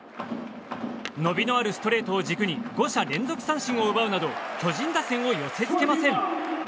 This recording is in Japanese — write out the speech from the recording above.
伸びのあるストレートを軸に５者連続三振を奪うなど巨人打線を寄せ付けません。